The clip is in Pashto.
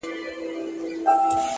چا ته دم چا ته دوا د رنځ شفا سي,